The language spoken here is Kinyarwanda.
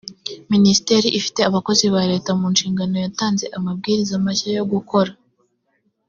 minisiteri ifite abakozi ba leta mu nshingano yatanze amabwiriza mashya yo gukora